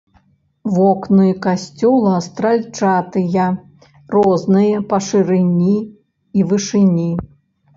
Вокны касцёла стральчатыя, розныя па шырыні і вышыні.